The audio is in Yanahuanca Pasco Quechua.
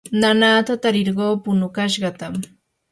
nanata tarirquu punukashqatam